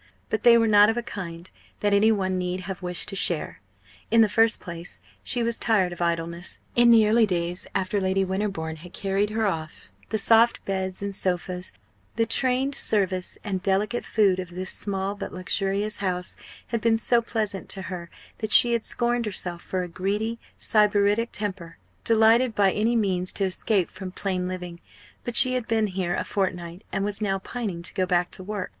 But they were not of a kind that any one need have wished to share. In the first place, she was tired of idleness. In the early days after Lady Winterbourne had carried her off, the soft beds and sofas, the trained service and delicate food of this small but luxurious house had been so pleasant to her that she had scorned herself for a greedy Sybaritic temper, delighted by any means to escape from plain living. But she had been here a fortnight, and was now pining to go back to work.